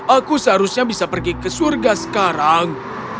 aku seharusnya bisa pergi ke surga sekarang